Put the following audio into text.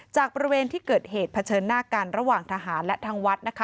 บริเวณที่เกิดเหตุเผชิญหน้ากันระหว่างทหารและทางวัดนะคะ